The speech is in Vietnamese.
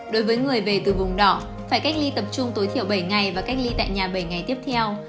đối với người về từ vùng đỏ phải cách ly tập trung tối thiểu bảy ngày và cách ly tại nhà bảy ngày tiếp theo